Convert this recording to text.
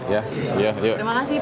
terima kasih pak